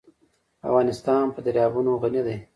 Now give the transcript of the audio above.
افغانستان په دریابونه غني دی.